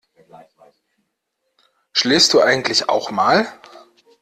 Schläfst du eigentlich auch mal?